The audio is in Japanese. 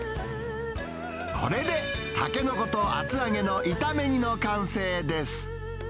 これで、タケノコと厚揚げのいため煮の完成です。